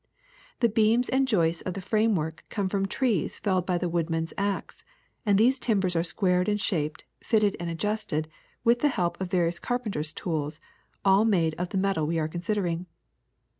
The beams and joists of the framework come from trees felled by the woodman's axe; and these timbers are squared and shaped, fitted and adjusted with the help of various carpenter's tools, all made of the metal we are considering.